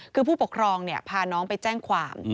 คือผู้ปกครองพาน้องไปแจ้งความ